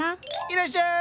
いらっしゃい。